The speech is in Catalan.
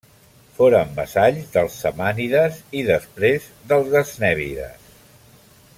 Foren vassalls dels samànides i després dels gaznèvides.